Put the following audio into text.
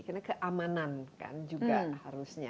karena keamanan kan juga harusnya